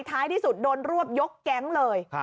ท้ายที่สุดโดนรวบยกแก๊งเลย